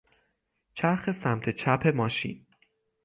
چرخ سمت چپ ماشین